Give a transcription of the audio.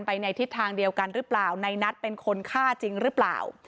ในทิศทางเดียวกันหรือเปล่าในนัทเป็นคนฆ่าจริงหรือเปล่า